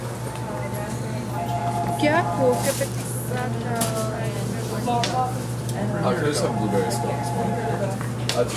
Tiene un elevado y comprimido cuerpo.